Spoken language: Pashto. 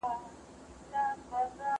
ماشوم د مور له عادتونو اغېز اخلي.